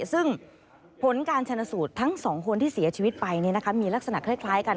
ซึ่งผลการชนสูตรทั้ง๒คนที่เสียชีวิตไปมีลักษณะคล้ายกัน